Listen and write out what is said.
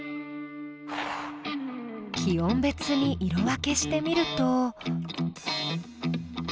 気温別に色分けしてみると。